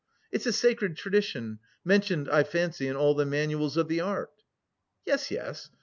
It's a sacred tradition, mentioned, I fancy, in all the manuals of the art?" "Yes, yes....